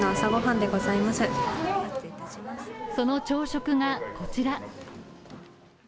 その朝食がこちら。